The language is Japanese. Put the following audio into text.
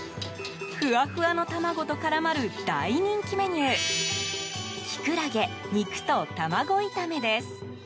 ふわふわの卵と絡まる大人気メニューきくらげ、肉と玉子炒めです。